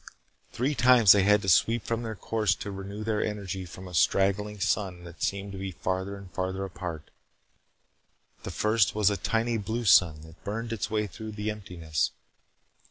Three times they had to sweep from their course to renew their energy from straggling suns that seemed to be farther and farther apart. The first was a tiny blue sun that burned its way through the emptiness.